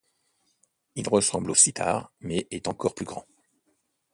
Il ressemble au sitar, mais est encore plus grand.